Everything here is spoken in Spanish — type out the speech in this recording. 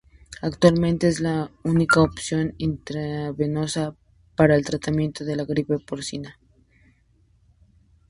Actualmente, es la única opción intravenosa para el tratamiento de la gripe porcina.